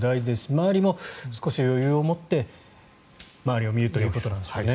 周りも少し余裕を持って周りを見るということなんでしょうね。